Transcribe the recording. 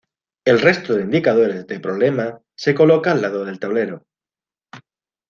El resto de indicadores de problema se coloca al lado del tablero.